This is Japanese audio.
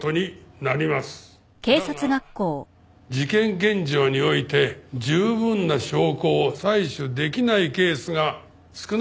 だが事件現場において十分な証拠を採取できないケースが少なくない。